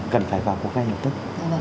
cần phải vào cuộc ngay lập tức